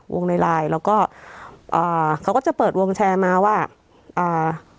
ในไลน์แล้วก็อ่าเขาก็จะเปิดวงแชร์มาว่าอ่า